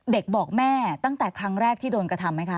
บอกแม่ตั้งแต่ครั้งแรกที่โดนกระทำไหมคะ